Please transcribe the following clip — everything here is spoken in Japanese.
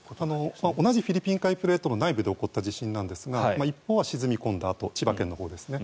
同じフィリピン海プレートの内部で起こった地震なんですが一方は沈み込んだあと千葉県のほうですね。